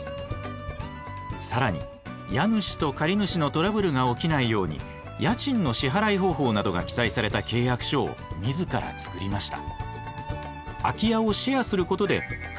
更に家主と借主のトラブルが起きないように家賃の支払い方法などが記載された契約書を自ら作りました。